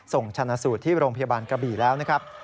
ส่งชนะสูตรที่โรงพยาบาลกระบี่แล้วนะครับ